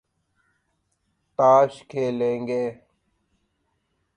تاش کھیلیں گے